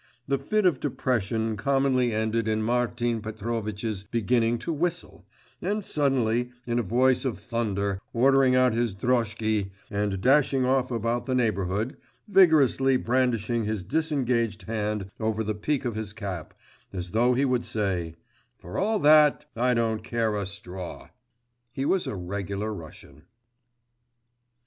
The fit of depression commonly ended in Martin Petrovitch's beginning to whistle, and suddenly, in a voice of thunder, ordering out his droshky, and dashing off about the neighbourhood, vigorously brandishing his disengaged hand over the peak of his cap, as though he would say, 'For all that, I don't care a straw!' He was a regular Russian.